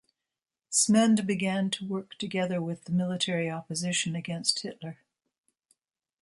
Smend began to work together with the military opposition against Hitler.